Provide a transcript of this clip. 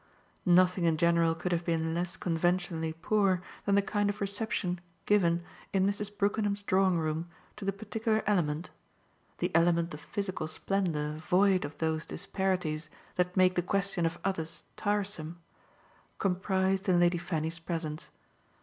Nothing in general could have been less conventionally poor than the kind of reception given in Mrs. Brookenham's drawing room to the particular element the element of physical splendour void of those disparities that make the question of others tiresome comprised in Lady Fanny's presence.